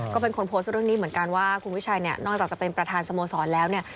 ก็เป็นคนโพสต์เรื่องนี้เหมือนกันว่าคุณวิชัยเนี่ยนอกจากจะเป็นประธานสโมสรแล้วเนี่ย